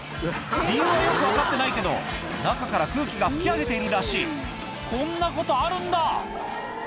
理由はよく分かってないけど中から空気が吹き上げているらしいこんなことあるんだ！